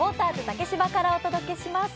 竹芝からお届けします。